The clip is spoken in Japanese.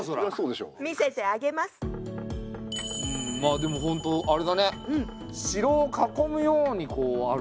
まあでもほんとあれだね城を囲むようにこうあるんだね。